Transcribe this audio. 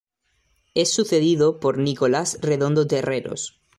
Es sucedido por Nicolás Redondo Terreros.